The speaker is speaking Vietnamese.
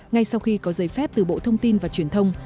ngay sau khi có giấy phép từ bộ thông tin và truyền thông